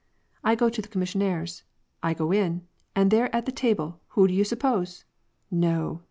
I go to the commissioner's. I go in. And there at the table, who do you suppose ? No